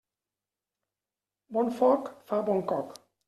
Bon foc fa bon coc.